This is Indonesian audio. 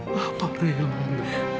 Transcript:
bapak rela nanda